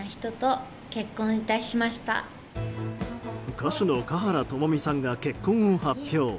歌手の華原朋美さんが結婚を発表。